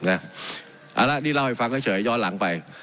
เอาละนี่เล่าให้ฟังเฉยย้อนหลังไป